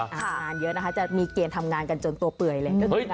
งานเยอะนะคะจะมีเกณฑ์ทำงานกันจนตัวเปื่อยเลย